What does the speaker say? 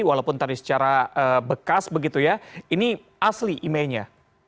walaupun tadi secara bekas begitu ya ini asli emailnya